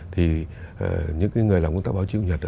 thì những người làm công tác báo chí chủ nhật